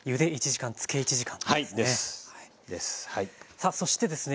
さあそしてですね